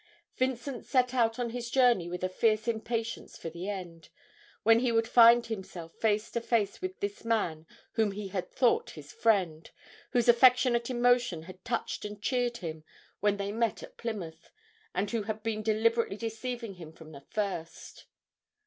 Vincent set out on his journey with a fierce impatience for the end, when he would find himself face to face with this man whom he had thought his friend, whose affectionate emotion had touched and cheered him when they met at Plymouth, and who had been deliberately deceiving him from the first.